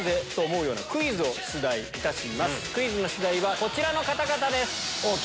クイズの出題はこちらの方々です。